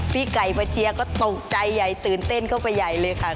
พี่ไก่มาเชียร์ก็ตกใจใหญ่ตื่นเต้นเข้าไปใหญ่เลยค่ะ